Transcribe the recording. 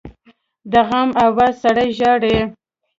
د غم آواز سړی ژاړي